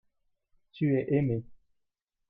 tu es aimé.